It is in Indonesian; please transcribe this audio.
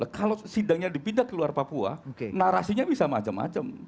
kalau sidangnya dipindah keluar papua narasinya bisa macam macam